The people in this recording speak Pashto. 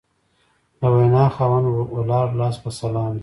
د وینا خاوند ولاړ لاس په سلام دی